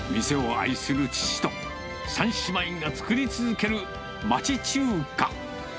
店を愛する父と、３姉妹が作り続ける町中華。